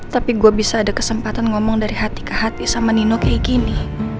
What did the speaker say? tapi gue bisa ada kesempatan ngomong dari hati ke hati sama nino kayak gini